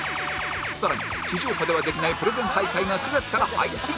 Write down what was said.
更に地上波ではできないプレゼン大会が９月から配信